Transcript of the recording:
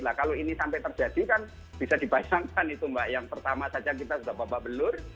nah kalau ini sampai terjadi kan bisa dibayangkan itu mbak yang pertama saja kita sudah babak belur